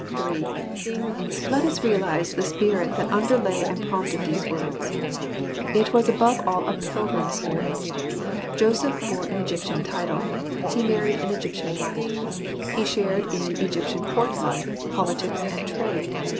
III. Let us Realize the Spirit that Underlay and Prompted these Words. It was above all a pilgrim spirit. Joseph bore an Egyptian title. He married an Egyptian wife. He shared in Egyptian court life, politics, and trade.